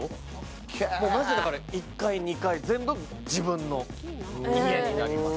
マジで１階、２階、全部自分の家になります。